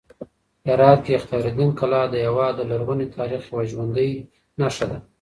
هرات کې اختیار الدین کلا د هېواد د لرغوني تاریخ یوه ژوندۍ نښه ده.